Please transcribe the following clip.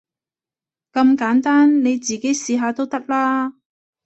咁簡單，你自己試下都得啦